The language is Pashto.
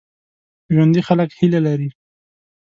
ژوندي خلک هیله لري